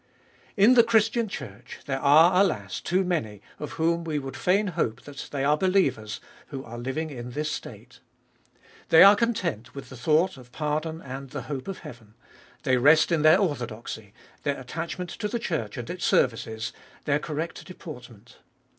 In the Christian Church, there are, alas, too many, of whom we would fain hope that they are believers, who are living in this state. They are content with the thought of pardon and the hope of heaven ; they rest in their orthodoxy, their attach ment to the Church and its services, their correct deportment.